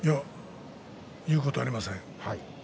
言うことありません。